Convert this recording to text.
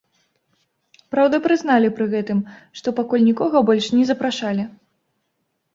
Праўда прызналі пры гэтым, што пакуль нікога больш не запрашалі.